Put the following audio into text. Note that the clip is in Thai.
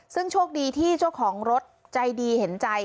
ซึ่งโชคดีที่เจ้าของรถใจดีเห็นใจ